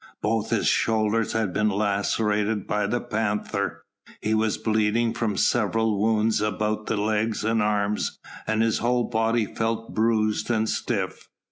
Both his shoulders had been lacerated by the panther; he was bleeding from several wounds about the legs and arms, and his whole body felt bruised and stiff.